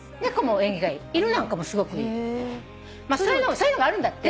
そういうのがあるんだって。